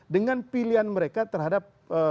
dengan pilihan mereka terhadap